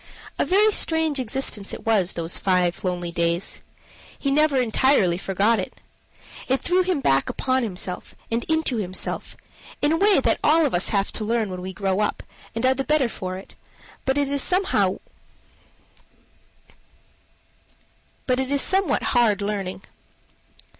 A very strange existence it was, those five lonely days. He never entirely forgot it. It threw him back upon himself, and into himself in a way that all of us have to learn when we grow up, and are the better for it; but it is somewhat hard learning.